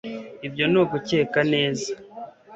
ibyo ni ugukeka neza